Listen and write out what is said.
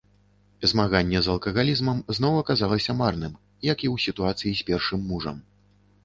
Змаганне з алкагалізмам зноў аказалася марным, як і ў сітуацыі з першым мужам.